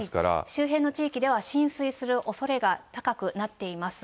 周辺の地域では浸水するおそれが高くなっています。